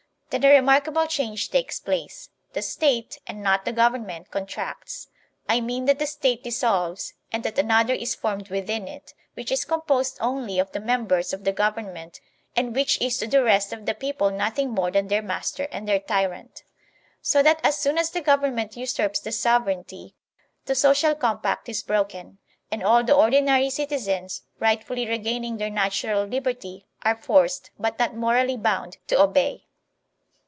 Then a remarkable change takes place — the State, and not the government, contracts; I mean that the State dissolves, and that another is formed within it, which is composed only of the members of the government, and which is to the rest of the people noth ing more than their master and their tyrant So that as soon as the government usurps the sovereignty, the social compact is broken, and all the ordinary citizens, right fully regaining their natural liberty, are forced, but not morally bound, to obey.